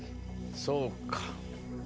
そうか。